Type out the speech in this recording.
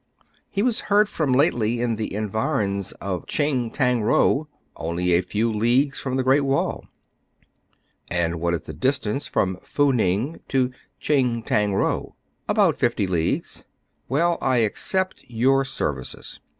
He was heard from lately in the environs of Tsching Tang Ro, only a few leagues from the Great Wall." And what is the distance from Fou Ning to Tsching Tang Ro }" "About fifty leagues." " Well, I accept your services."